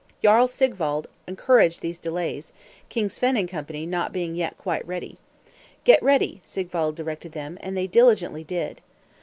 Jarl Sigwald encouraged these delays, King Svein and Co. not being yet quite ready. "Get ready!" Sigwald directed them, and they diligently did.